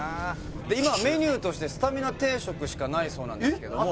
で今はメニューとしてスタミナ定食しかないそうなんですけども。